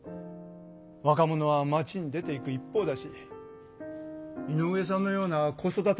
若者は町に出ていく一方だし井上さんのような子育て世代も少ない。